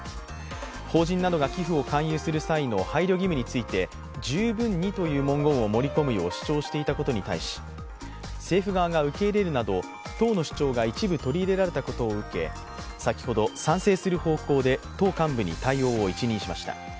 法人などが寄付を勧誘する際の配慮義務について「十分に」という文言を盛り込むよう主張していたことに対し政府側が受け入れるなど党の主張が一部取り入れられたことを受け先ほど賛成する方向で、党幹部に対応を一任しました。